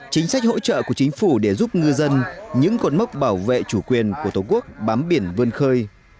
chính sách hỗ trợ của chính phủ để giúp ngư dân những cột mốc bảo vệ chủ quyền của tổ quốc bám biển vươn khơi